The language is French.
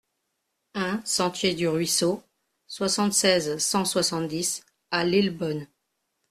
un sentier du Ruisseau, soixante-seize, cent soixante-dix à Lillebonne